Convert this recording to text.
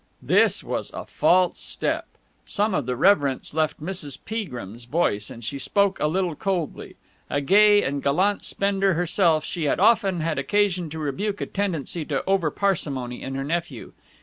This was a false step. Some of the reverence left Mrs. Peagrim's voice, and she spoke a little coldly. A gay and gallant spender herself, she had often had occasion to rebuke a tendency to over parsimony in her nephew.